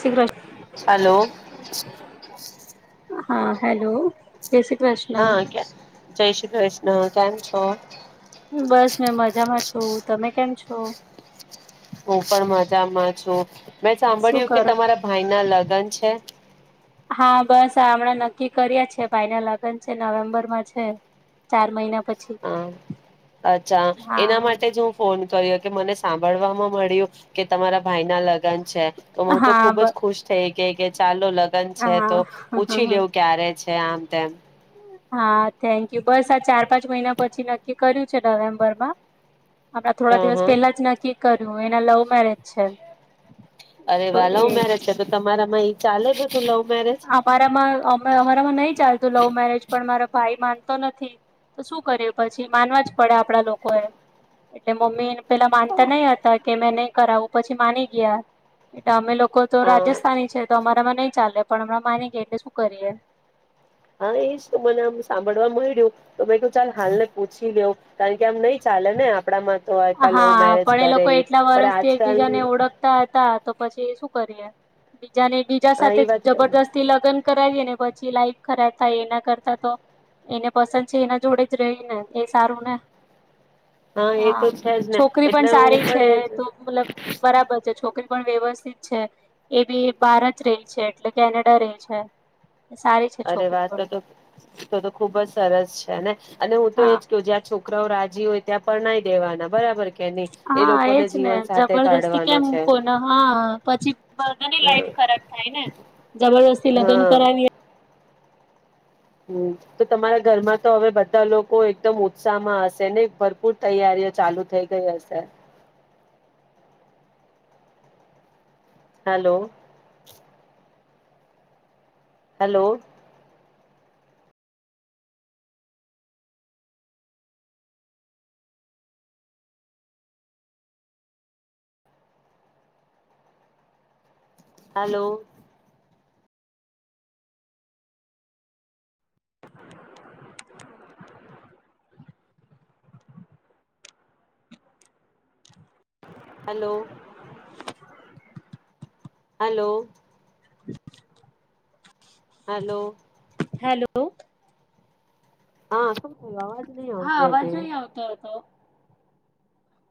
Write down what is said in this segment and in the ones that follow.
શી Krishna. Hello હા hello. જય શ્રી કૃષ્ણ. હા જય શ્રી ક. હ થકસ. બસ મેં મજામાં છ. તમે કેમ છો હું પણ મજામાં છું મેં શું સાંભળ્યું કે કરો? તમારા ભાઈ ના લગ્ન છે. હા બસ હમણાં નક્કી કરી્યા છે ભાઈ ના લગ્ન છે નવેમ્બર માં છે ચાર મહિના. પછી હ અચ્છા એના હા માટે જ હું ફોન. કર્યો કે મને સાંભળવામાં મળ્યું કે તમારા ભાઈ ના લગ્ન છે. તો હું તો હા ખુબ બ જ ખુશ થઈ. કે કે ચાલ. લગ્ન છે હા. તો પૂછી લેવું ક્યારે છે આમ. તમ હા થેન્ક યુ બસ આ ચાર પાંચ મહિના પછી નક્કી કર્યું છે નવેમ્બરમાં. આપણા હ થોડા દિવસ હ પેલા જ નાખી. કર્યું એના લવ મેરેજ છે. અરે તો વા લવ એ મેરેજ છે તો તમારા માય ચાલે કે [inaudible] અમારામાં અ અમારામાં નહી ચાલતું લવ મેરેજ પણ મારો ભાઈ માન તો નથી તો શું કર્યો પછી માનવા જ પડે આપ આપણા લોકો એ. એટલે મમ્મી પેલા માનતા નય હતા કે મેને કરાવું પછી માની ગયા એટલે અમે લોકો લોકો તો હા રાજસ્થાની છે તો અમારા નય ચાલો. પણ હમણાં માને કે એટલે શું કરીએ. હા એજ તો મને આમ સાંભળવા મળ તું ચાલ હાલને પૂછી લેવ કારણ કે આમ નહી ચાલે ને આપડામાં તો આ લવ હા, મેરેજ પણ એ કરે લોકો એટલા પણ વરસથી એકબીજાને આજકાલની ઓળખતા હતા તો પછી શું કરીએ. જાને બીજા હા એ સાથે વાત જબરજસ્તી લગ્ન કરાવી પછી લાઈફ ખરાબ થાય એના કરતા તો એને પસંદ છે એના જોડે જ રહી ને એ સારું ને. હા, એ તો જ છે ને છોકરી પણ એટલે હું સારી પણ છે એ જ તો મતલબ બરાબર છે છોકરી પણ વ્યવસ્થિત છે એ બી બહાર જ રહે છે એટલે કેનેડા રહે છે. સારી છે અરે છોકરી વાત પણ તો તો તો તો ખૂબ જ સરસ છે ને. અને હું તો હા એજ કઉ જયા છોક છોકરાઓ રાજી હોય ત્યાં પરણાઈ દેવાના બરાબર. કે નહી એ હા લોકોને એજ ને જીવન સાથે જબરદસ્તી કાઢવાનો કેમ છે કોને હા પછી બધાની હા લાઈફ ખરાબ થાય ને જબરદસ્તી લગ્ન હા કરાવીએ. હમ, તો તમારા ઘરમાં તો હવે બધા લોકો એકદમ ઉત્સાહમાં હશે ને ભરપૂર તૈયારીઓ ચાલુ થઈ ગઈ હશે. Hello. Hello. Hello. Hello. Hello. Hello. Hello. હા. થયું અવાજ નહી હા, આવતી અવાજ હતી નહી આવતો હતો.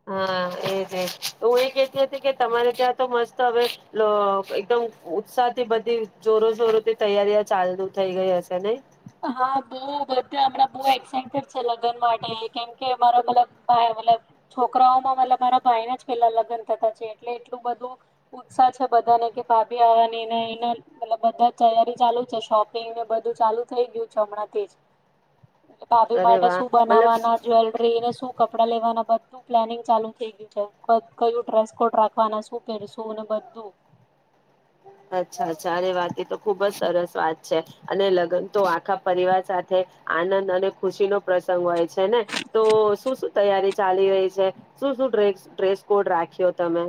હા એ જ એ જ. તો હું એ કેતી હતી કે તમારે ત્યાં તો મસ્ત હવે અ એકદમ ઉત્સાહ થી બધી જોરો જોરોથી તૈયારીયા ચાલુ થઈ ગઈ હશે ને. હા બહુ બધા હમણાં બો એક્સાઇટેડ લગ્ન માટે કેમ કે મારા મતલબ ભાઈ મતલબ છોકરાઓમાં મતલબ મારા ભાઈના જ પેલા લગ્ન થતા છે એટલે એટલું બધું ઉત્સાહ છે બધાને કે ભાભી આવવાની ને એના મતલબ તૈયારી ચાલુ છે શોપિંગને બધું ચાલુ થઈ ગયું છે હમણાં તેજ. ભાભી અરે માટે વાહ શું મતલબ બનાવવાના જ્વેલરીને શું કપડા લેવાના બધું પ્લાનિંગ ચાલુ થઈ ગયું છે કયું ડ્રેસ કોડ રાખવાના શું પહેરશું ને બધું અચ્છા ચારે વાત એ તો ખુબ જ સરસ વાત છે અને લગ્ન તો આખા પરિવાર સાથે આનંદ અને ખુશીનો પ્રસંગ હોય છે ને તો શું શું તૈયારી ચાલી રહી છે શું શું ડ્રેસ ડ્રેશ કોડ રાખ્યો તમે.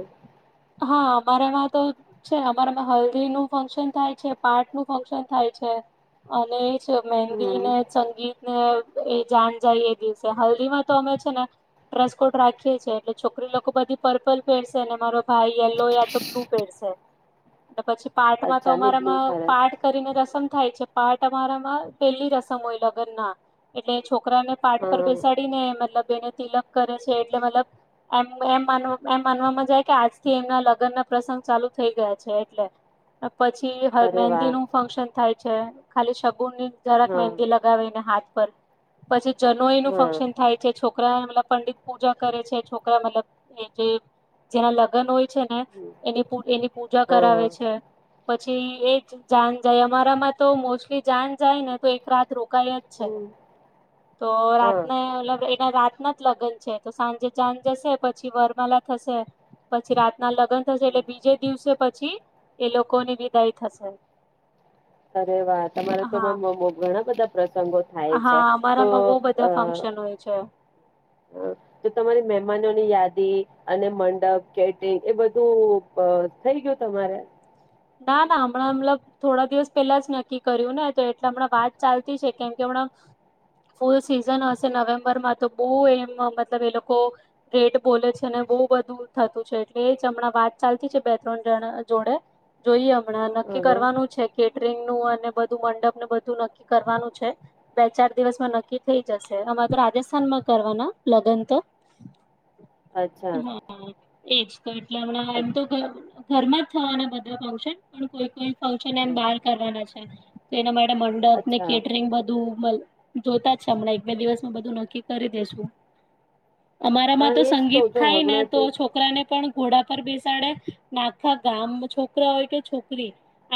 હા અમારામાં તો છે અમારામાં હલ્દીનું ફંક્શન થાય છે, પાઠનું ફંક્શન થાય છે અને મહેંદી હમ ને સંગીત ને એ જાન જાય એ દિવસે હલ્દી માં તો અમે છે ને ડ્રેસકોડ રાખીએ છીએ એટલે છોકરી લોકો બધી પર્પલ પેરસે ને મારો ભાઈ યલ્લો યા તો બ્લુ પહેરશે. ત પછી પાઠમાં તો અચ્છા ની બ્લુ અમારામાં સરસ પાઠ કરીને રસમ થાય છે. પાટ અમારામાં પેલી રસમ હોય લગન ના એટલે જ છોકરા ને પાટ પર હા બેસાડી ને મતલબ બેને તિલક કરે છે. એટલે મતલબ એમ એમ એમ માનવામાં જાય કે આજ થી એમના લગન ના પ્રસંગ ચાલુ થઈ ગયા છે એટલે પછી અરે વાહ મેહેંદી નું ફંક્શન થાય. ખાલી શ [unintelligible] ુની જરાક હા મંદી લગાવીને હાથ [unintelligible] પર પછી જનો એનું હા ફંક્શન થાય છે છોક પંડિત પૂજા કરે છે છોકરાલ જે [unintelligible] [unintelligible] છે ને હા એની [unintelligible] એની પૂજા હા કરાવે છે. પછી એ જ જાન જાય અમારામાં તો મોસ્ટલી જાન જાય ને તો એક રાત રો જ છે તો હા રાતને મલબ એને રાત જ લગન છે તો સાંજે જાન જશે પછી વરમાલા થશે પછી રાત ના લગન થશે એટલે બીજે દિવસે પછી એ લોકોની વિદાઈ થશે અરે વા તમારે તો હા મ મા મોં ઘણા બધા પ્ર તંગો થાય છે હા તો અમારામાં બહુ અ બધા ફંક્શન હોય છે. તો તમારી મેમ મનોની યાદી અને મંડપ કેટિંગ એ બધું થઈ ગયું તમારે ના ના હમણાં મલબ થોડા દિવસ પહેલા જ નક્કી કર્યું ને તો એટલે હમણાં વાત ચાલતી છે. કેમ કે હમણાં ફૂલ સિઝન હશે નવેમ્બરમાં તો બહુ એમ મતલબ એ લોકો રેટ બોલે છે ને બહુ બધું થતું છે. એટલે એ જ હમણાં વાત ચાલતી છે. બે ત્રણ જણ જોડે જોઈએ. હમણાં હ નક્કી હ કરવાનું છે કેટરિંગ નું અને. બધું મંડપ ને બધું નક્કી કરવાનું છે બે ચાર દિવસમાં નક્કી થઈ જશે. અમારે તો રાજસ્થાનમાં કરવાના લગન તો. અચ્છા હમ. એ જ. એટલા હમણા એમ તો ઘર ઘરમાં જ થવાના બધા. આવશે પણ કોઈ કોઈ. પહોચી ને એમ અચ્છા બહાર કરવાના છે. એના માટે મંડપ ને અચ્છા. કેટરિંગ બધું મલ. જોતા જ છે હમણાં એક બે દિવસમાં બધું નક્કી કરી દેસું. અમારામાં હા તો એજ સંગીત જો થાય ને તો હમણાંથી છોકરા ને પણ. ઘોડા પર બેસાડે આખા ગામ છોક રા હોય કે છોકરી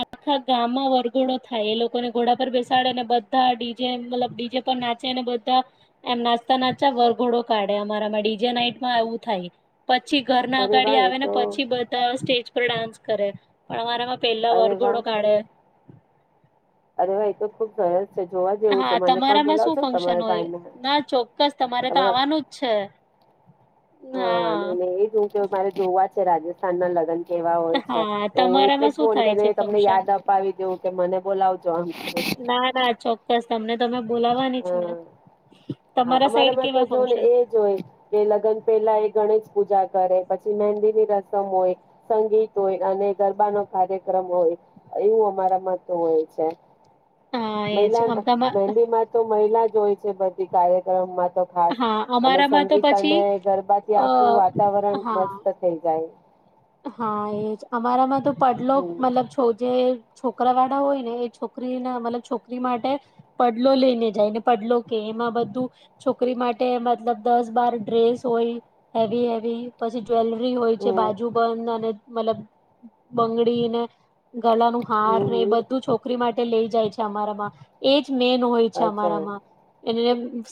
આખા ગામમાં વરઘોડો થાય એ લોકોને ઘોડા પર બેસાડે ને બધા ડીજે મતલબ ડીજે પર નાચેને બધા એમ નાચતા નાચતા વરઘોડો કાઢે અમારામાં ડીજે નાઈટમાં આવવું થાય. પછી ઘર ના અરે વાહ અગાડી એ આવે ને તો પછી બધા સ્ટેજ ઉપર ડાન્સ કરે. પણ અમારામાં પેલા અરે વાહ વરઘોડો કાઢે. અરે, ભાઈ તો ખુબ સરસ છે જોવા જેવું છે હા મને પણ તમારામાં શું બોલાવજો ને ફંક્શન તમારા હોય ભાઈને ના ચોક્કસ તમારે તો તમારા આવવાનું જ છે. હા, ના ના એજ હું કે મારે જોવા જ છે રાજ સ્થાનના લગન કેવા હોય છે, હા તો હું એટલે તમારામાં જ શું ફોન થાય છે કરીને તમને ફંક્શન યાદ અપાવી દેઉં કે મને બોલાવજો આમ. બસ તમને તમે બોલાવાની છે ને. હા હા તમારા અમારા સાઈડ માં તો કેવા જો ને ફંક્શન એજ હોય કે લગ્ન પેલા એ ગણેશ પૂજા કરે પછી મંદી ની રસમ હોય, સંગીત હોય અને ગરબા નો કાર્યક્રમ હોય એવું અમારા મ હોય છે. હા એજ મહિલા આમ તમા મહેંદી માં તો મહિલા જ હોય છે બધી ગાયક. હ. [unintelligible] તો ખાસ, હા અને અમારામાં તો સંગીત પછી અને ગરબાથી અ આખું વાતાવરણ હા મસ્ત થઈ જાય. હા એજ અમારામાં તો પડઢલો હમ મતલબ છો જે છોકરા વાળા હોય ને એ છોકરી ના મતલબ છોકરી માટે, પડલો લઈને જાય ને પડલો કે એમાં બધું છોકરી માટે મતલબ દસ બાર ડ્રેસ હોય હેવી હેવી પછી જ્વેલરી હોય છે હમ બાજુ અને મતલબ બંગડીને. ગળાનું હમ હાર એ હમ બધું છોકરી માટે લઈ જાય છે અમારામાં એ જ મેન હોય છે અચ્છા અમારામાં, એ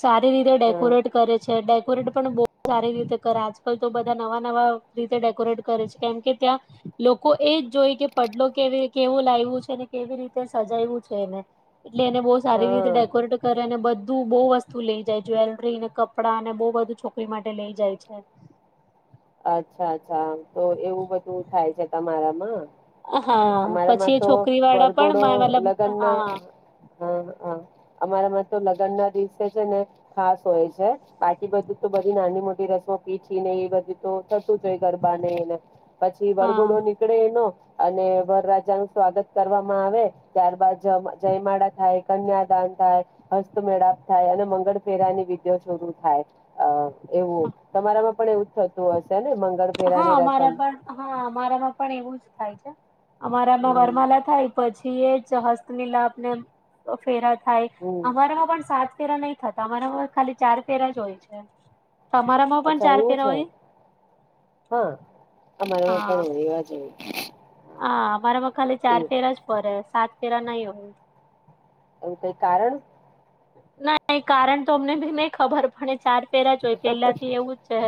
સારી રીતે હા ડેકોરેટ કરે છે. ડે પરેડ પણ બહુ સારી રીતે કરે આજકાલ તો બધા નવા નવા રીતે ડેકોરેટ કરે છે. કેમ કે ત્યાં લોકો એજ જોય કે પડલો કે કેવું લાવું છે ને કેવી રીતે સજાવું છે એને. એટલે એને બહુ સારી રીતે હા ડેકોરેટ કરે અને બધ ધું બહુ વસ્તુ લઈ જાય જ્વેલરીને કપડાં અને બહુ બધું છોકરી માટે લઈ જાય છે. અચ્છા અચ્છા તો એવું બધું થાય છે તમારામાં? હા પછી અમારામાં એ તો, છોકરી વાળા પણ વરઘોડો મતલબ લગન હા ના હા હા. અમારા માં તો લગ્ન ના દિવસે છે ને, ખાસ હોય છે બાકી બધું તો બધી નાની મોટી રસમો પીઠી ન એ બધું તો થતું જ હોય ગરબા નેને પછી હા વરઘોડો નીકળે એનો અને વર રાજા નું સ્વાગત કરવામાં આવે, ત્યારબાદ જયમાળ થાય કન્યાદાન થાય, હસ્તમેળાપ થાય અને મંગળ ફેરા ની વિધિ શોરૂુ થાય, એવું તમારામાં પણ એવું થતું હશેને. હા અમારા પણ હા અમારામાં પણ એવું જ થાય છે. અમારામાં હમ વરમાલા થાય પછી એ જ જ હસ્ત મીલાપને ફેરા થાય, હમ અમારામાં પણ સાત ફેરા નહી થતા મારાર ખાલી ચાર ફેરા જ હોય છે. તમારા માં પણ અચ્છા ચાર એવું ફેરા છે હોય? હા. અમારામાં પણ હા ઓવા જોઈએ. હા [inaudible] હા પર ખાલી ચાર પેર જ ફરે. સાત ફરા નહી હોય. એવું કઈ કારણ. ના કારણ તો અમને ભી નહી ખબર પડે ચાર પેલા જોઈ પેલા થી એવું જ છે.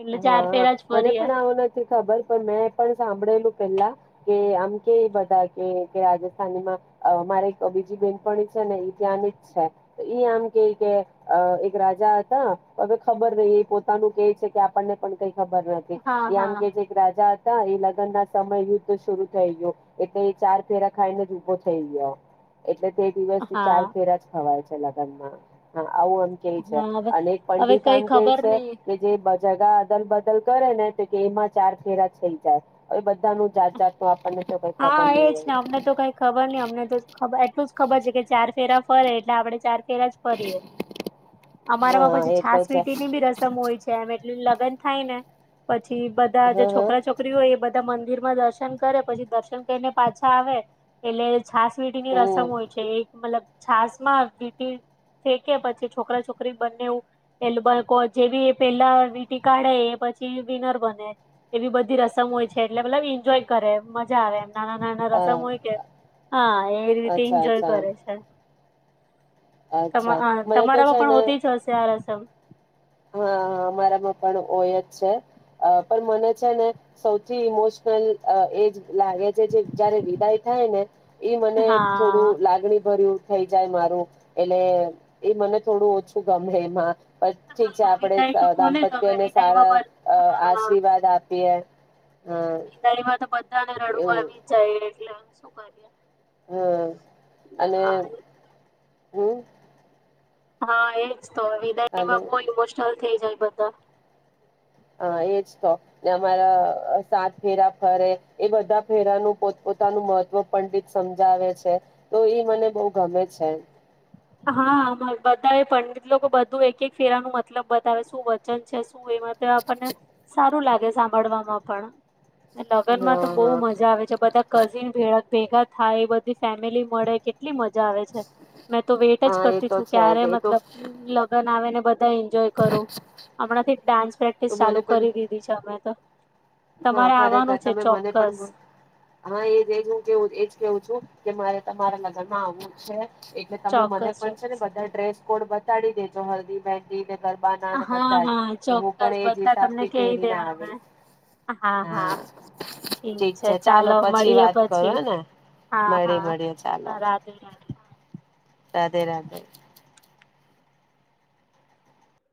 એટલે ચાર હા ફેરા જ મને ફરીએ પણ આવું નથી ખબર પણ મેં પણ સાંભળેલું. પેલા કે આમ કે બધા કે રાજસ્થાનીમાં મારે એક બીજી બેન પણ છે ને ઈતની જ છે, આમ કે કે એક રાજા હતા હવે ખબર રહી એ પોતાનું કે છે કે આપણને પણ કઈ ખબર નથી, હા એ આમ હા કે જે એક રાજા હ એ લગ્ન ના સમય યુદ્ધ શરુ થઈ ગયું એટલે એ ચાર ફેરા ખાઈ ને જ ભો થઈ ગયો. એટલે તે દિવસથી ચાર હા ફેરા જ ખવાય છે. લામાં હા. આવું આમ કે છે, હા હવે અનેક હવે પંડિત કઈ આમ કે ખબર છે નઈ કે જે જગા અદલ બદલ કરે ને તો કે એમાં ચાર ફેરા થઈ જાય. એ બધા નું જાત જાતનું આપણને ખબર હા નહી એ છે ને હોય અમને તો કઈ ખબર નહ અમને તો ખબર છે કે ચાર ફેરા ફરે એટલે આપડણે ચાર ફેરા જ ફરીએે, અમારામાં પછી હા એ તો છે છાસવીટી ની બી રસમ હોય છે એમ લગ્ન થાય ને પછી બધા જે હા હા છોકરા છોકરી હોય એ બ મંદિરમાં દર્શન કરે પછી દર્શન કરીને પાછા આવે એટલે છાસવીઢ ની હમ રસમ હોય છે એક મતલબ છાસ માં વીટી ફેંકે પછી છોકરા છોકરી બંને એવું પ જેવી પેલા વીટી કાઢે એ પછી વિનર બને એવી બધી રસમ હોય છે એટલે મતલબ એન્જોય કરે જ આવે નાના નાના અ રસમ હોય કે હા એ રીતે અચ્છા એન્જોય અચ્છા કરે છે અચ્છા મને તો તમારામાં પણ હોતી જ હશે આ રસમ હા હા અમારામાં પણ હોય જ છે પણ મને છે ને સૌથી ઇમોશનલ એજ લાગે છે જે જયારે વિદાય થાય ને એઈ મને હા થોડું લાગણી ભર્યું થ જાય મારું એટલે એ મને થોડું ઓછું ગમે એમાં ઠીક છે હા આપડે વિદાય તો કોને ગમે દાંપત્યને વિદાયમાં સારા બધ આશીર્વાદ આપીએ હા તડીમાં તો બ બધાને રડવા આવી જાય એટલે શું કર્ય હા અને હમ હા એ હાલો વિદાયમાં બહુ ઇમોશનલ થઈ જાય બધા હા એજ તો ને અમારા સાત ફેરા ફરે એ બધા ફેરાનું પોતપોતાનું મહત્ત્વ પંડિત સમજાવે છે તો એ મને બહ ગમે છે હા બધા એ પંડિત લોકો બધું એક એક ફેરા ન મતલબ બતાવે શું વચન છે. એમાં આપણને સારું લાગે. સાંભળવામાં પણ. લગ્ન માં હા તો બહુ હા મજા આવે છે બધા કઝિન ભેળ. ભેગા થાય એ બધી. ફેમિલી મળે કેટલી મજા આવે છે. તો વેઇટ જ હા એ કરતી તો છું છે ક્યારે જ એ તો મતલબ લગ્ન આવે ને. બધ એન્જોય કરું હમણાંથી ડાન્સ પ્રેક્ટિસ ચાલુ મને પણ કરી દીધી છે અમે તો. હા તમારે ખરેખર આવવાનું છે તમે મને ચોક્કસ પણ હા એજજ હું કેવું એજ કેવું. કે મારે તમારા લગ્નમાં આવું છે. એટલે તમે મને ચોક્કસ કો છે ને ચોક્કસ બધા ડ્રેસ. કોડ બતાાડી દેજો હલ્દી મંદી ને. ગરબા ના અને હા બધા જ હા હું ચોક્કસ પણ એ જ બધા તમને હિસાબથી કહી પહેરીને દેવા અમે આવીશ. હા હા ઠીક છે ચાલો પછી મળીએ વાત કરો પછી હેને હા મળી હા મળીએ ચાલો રાધે રાધે. હા. રાધે રાધે